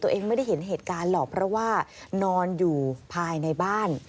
ตัวเองไม่ได้เห็นเหตุการณ์หรอกเพราะว่านอนอยู่ภายในบ้าน